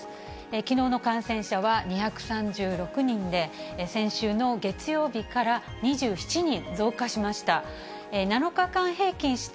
きのうの感染者は２３６人で、先週の月曜日から２７人増加しました。